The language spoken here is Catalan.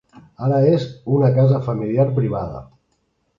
Ara és una casa familiar privada.